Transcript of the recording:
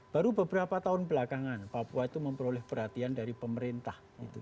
baru beberapa tahun belakangan papua itu memperoleh perhatian dari pemerintah